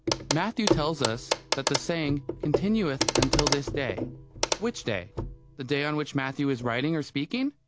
Matthew tells us that the saying "continueth until this day." Which day? The day on which Matthew is writing or speaking.